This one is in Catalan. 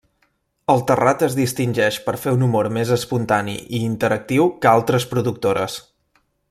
El Terrat es distingeix per fer un humor més espontani i interactiu que altres productores.